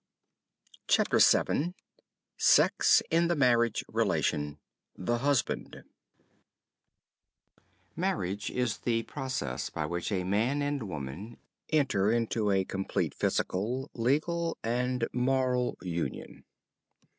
CHAPTER VII SEX IN THE MARRIAGE RELATION THE HUSBAND Marriage is the process by which a man and woman enter into a complete physical, legal and moral union.